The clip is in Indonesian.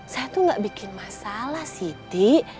saya tuh gak bikin masalah siti